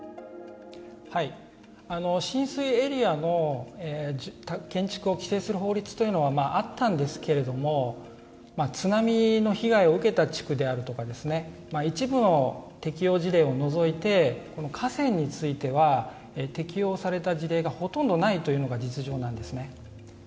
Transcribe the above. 浸水エリアの建築を規制する法律というのはあったんですけれども津波の被害を受けた地区であるとか一部の適用事例を除いて河川については適用された事例がほとんどないというのが実情なんですね。